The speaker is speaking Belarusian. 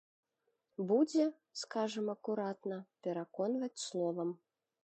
Будзе, скажам акуратна, пераконваць словам.